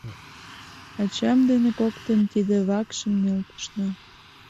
Ачам дене коктын тиде вакшым нӧлтышна.